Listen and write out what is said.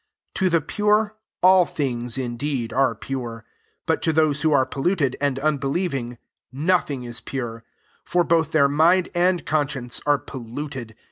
15 To the pure all things [in deedl are pure : but to those who are polluted, and unbeliev ing, nothing is pure; for both their mind and conscience are polluted.